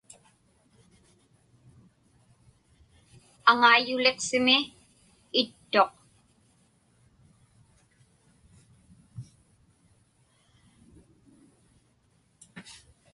Aŋayuliqsimi ittuq.